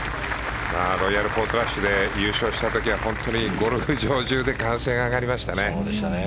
ロイヤルポートラッシュで優勝した時はゴルフ場中で歓声が上がりましたね。